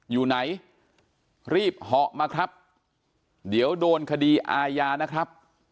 อยู่ไหนรีบเหาะมาครับเดี๋ยวโดนคดีอาญานะครับ